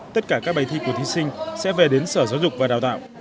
tất cả các bài thi của thí sinh sẽ về đến sở giáo dục và đào tạo